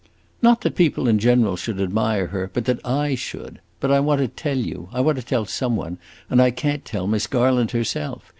"Not that people in general should admire her, but that I should. But I want to tell you; I want to tell some one, and I can't tell Miss Garland herself.